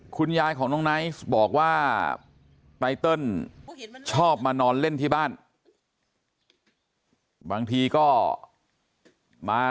คุณยายของน้องไนท์บอกว่าไตเติลชอบมานอนเล่นที่บ้านบางทีก็มา